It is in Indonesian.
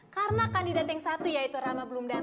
karena kandidat yang satu yaitu rama belum datang